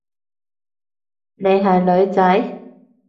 你係女仔？